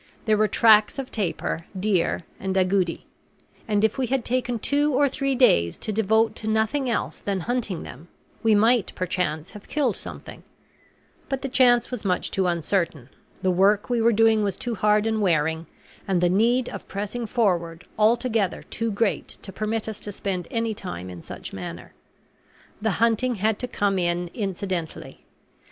There were tracks of tapir, deer, and agouti; and if we had taken two or three days to devote to nothing else than hunting them we might perchance have killed something; but the chance was much too uncertain, the work we were doing was too hard and wearing, and the need of pressing forward altogether too great to permit us to spend any time in such manner. The hunting had to come in incidentally.